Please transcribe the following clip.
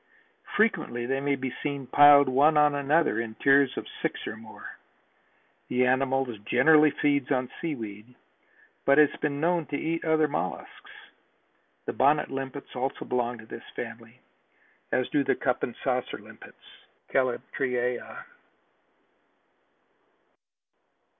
Frequently they may be seen piled one upon another in tiers of six or more. The animal generally feeds on seaweed but has been known to eat other mollusks. The bonnet limpets also belong to this family, as do the cup and saucer limpets (Calyptraea).